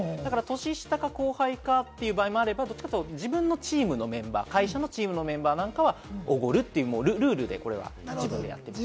年下か後輩かという場合もあれば自分のチームのメンバー、会社のチームのメンバーなんかは、おごるというルールで自分でやってます。